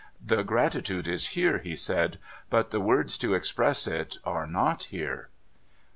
' The gratitude is here,' he said. ' But the words to express it are not here.'